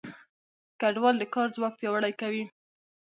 کډوال د کار ځواک پیاوړی کوي.